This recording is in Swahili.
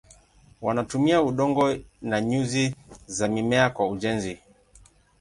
Wanatumia udongo na nyuzi za mimea kwa ujenzi.